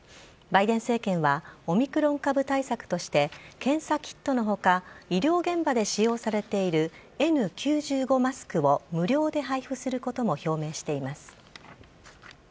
バイデン政権は、オミクロン株対策として、検査キットのほか、医療現場で使用されているＮ９５マスクを無料で配布することも表明しています。